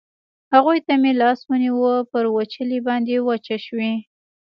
هغوی ته مې لاس ونیو، پر وچولې باندې وچه شوې.